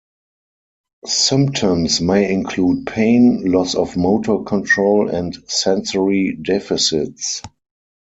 Symptoms may include pain, loss of motor control, and sensory deficits.